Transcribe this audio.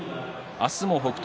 明日も北勝